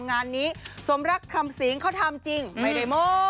งานนี้สมรักคำสิงเขาทำจริงไม่ได้โม่